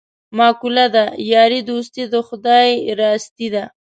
مقوله ده: یاري دوستي د خدای راستي ده.